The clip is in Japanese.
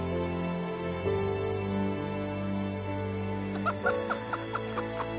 ハハハハ！